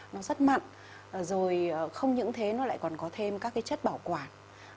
nó rất mặn rồi không những thế nó lại còn có thêm các cái chất bảo quản